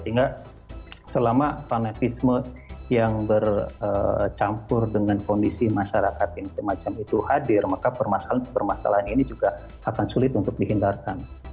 sehingga selama fanatisme yang bercampur dengan kondisi masyarakat yang semacam itu hadir maka permasalahan permasalahan ini juga akan sulit untuk dihindarkan